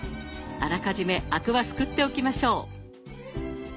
あらかじめアクはすくっておきましょう。